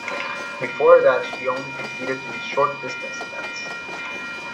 Before that she only competed in short distance events.